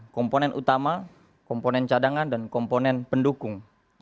komponen utama komponen cadangan dan komponen pendukung